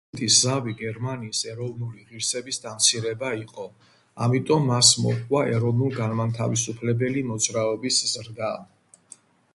ტილზიტის ზავი გერმანიის ეროვნული ღირსების დამცირება იყო, ამიტომ მას მოჰყვა ეროვნულ-განმათავისუფლებელი მოძრაობის ზრდა.